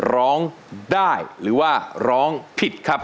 ร้องได้หรือว่าร้องผิดครับ